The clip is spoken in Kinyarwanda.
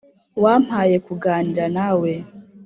wampaye kuganira nawe